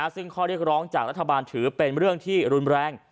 ซึ่งข้อเรียกร้องจากรัฐบาลถือเป็นเรื่องที่รุนแรง